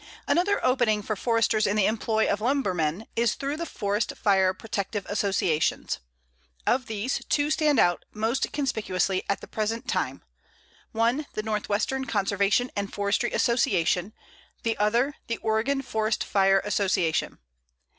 Another opening for Foresters in the employ of lumbermen is through the forest fire protective associations. Of these, two stand out most conspicuously at the present time, one the Northwestern Conservation and Forestry Association, the other the Oregon Forest Fire Association.